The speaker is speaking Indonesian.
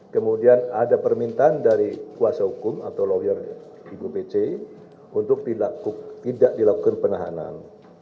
kemudian ada permintaan dari kuasa hukum atau lawyer ibu pc untuk tidak dilakukan penahanan